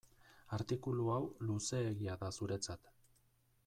Artikulu hau luzeegia da zuretzat.